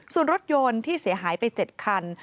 ส่วนรถยนต์ที่เสียหายไป๗คัน